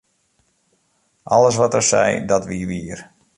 Alles wat er sei, dat wie wier.